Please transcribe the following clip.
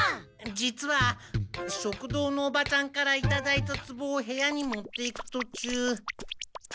実は食堂のおばちゃんからいただいたツボを部屋に持っていくとちゅう。